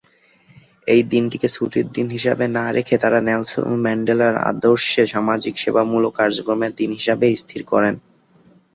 এই দিনটিকে ছুটির দিন হিসেবে না রেখে তারা নেলসন ম্যান্ডেলার আদর্শে সামাজিক সেবামূলক কাজকর্মের দিন হিসেবে স্থির করেন।